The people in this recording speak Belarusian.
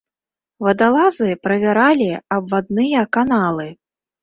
Вадалазы правяралі абвадныя каналы.